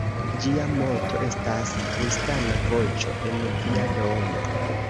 Ĝia moto estas: "Kristana voĉo en via domo".